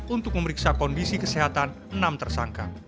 untuk memeriksa kondisi kesehatan enam tersangka